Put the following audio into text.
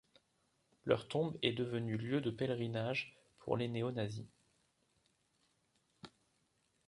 Leur tombe est devenue lieu de pèlerinage pour les néo-nazis.